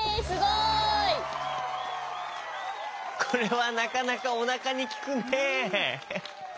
これはなかなかおなかにきくね！